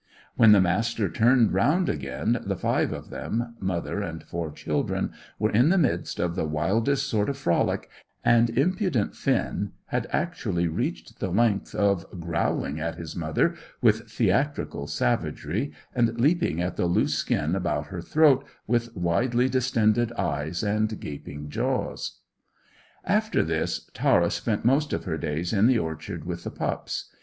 When the Master turned round again, the five of them, mother and four children, were in the midst of the wildest sort of frolic, and impudent Finn had actually reached the length of growling at his mother with theatrical savagery, and leaping at the loose skin about her throat with widely distended eyes and gaping jaws. After this Tara spent most of her days in the orchard with the pups.